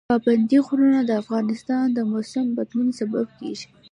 پابندی غرونه د افغانستان د موسم د بدلون سبب کېږي.